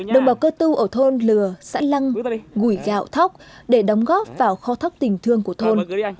đồng bào cơ tu ở thôn lừa xã lăng gủi gạo thóc để đóng góp vào kho thác tỉnh thương của thôn